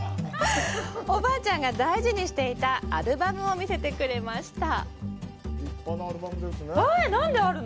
おばあちゃんが大事にしていたアルバムを見せてくれました。